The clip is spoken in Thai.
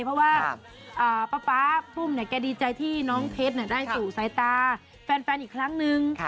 เพราะว่าป๊าปุ้มเนี่ยแกดีใจที่น้องเพชรได้สู่สายตาแฟนอีกครั้งนึง